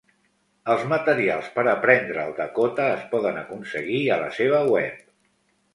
Els materials per aprendre el dakota es poden aconseguir a la seva web.